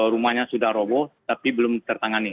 rumahnya sudah roboh tapi belum tertangani